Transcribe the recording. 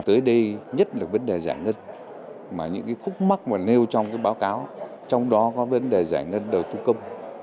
tới đây nhất là vấn đề giải ngân mà những khúc mắt mà nêu trong báo cáo trong đó có vấn đề giải ngân đầu tư công